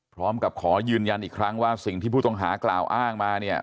พร้อมกับขอยืนยันอีกครั้งว่าสิ่งที่ผู้ต้องหากล่าวอ้างมาเนี่ย